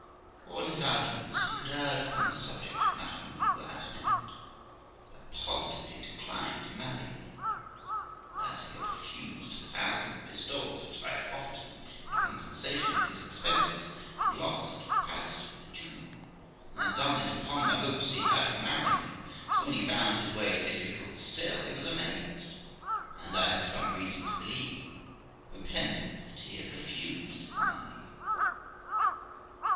All his arguments he could urge upon the subject of matrimony were at an end, for I positively declined marrying him ; and, as he had refused the thousand pistoles which I had offered him in com pensation for his expenses and loss at Paris with the Jew, and had done it upon the hopes he had of marrying me, so when he found his way difficult still, he was amazed, and, I had some reason to believe, repented that he had refused the money.